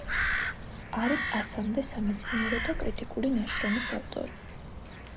არის ასამდე სამეცნიერო და კრიტიკული ნაშრომის ავტორი.